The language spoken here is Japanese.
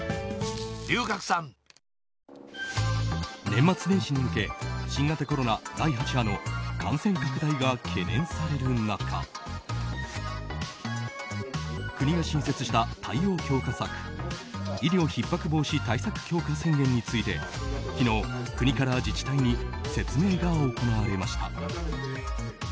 年末年始に向け新型コロナ第８波の感染拡大が懸念される中国が新設した対応強化策医療ひっ迫防止対策強化宣言について昨日、国から自治体に説明が行われました。